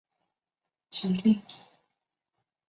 指令集的分类